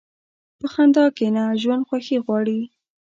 په خندا کښېنه، ژوند خوښي غواړي.